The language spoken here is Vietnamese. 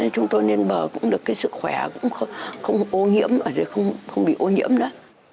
chúng tôi nên bờ cũng được cái sự khỏe không bị ô nhiễm nữa